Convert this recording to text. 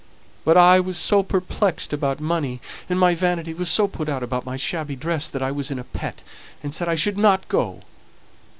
But I was so perplexed about money, and my vanity was so put out about my shabby dress, that I was in a pet, and said I shouldn't go.